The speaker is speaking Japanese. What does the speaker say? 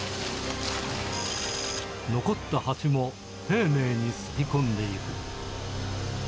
残ったハチも丁寧に吸い込んでいく。